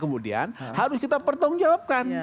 kemudian harus kita pertanggung jawabkan